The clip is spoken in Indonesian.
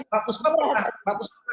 pak puspa pak puspa